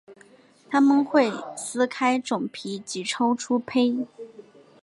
它们会撕开种皮及抽出胚。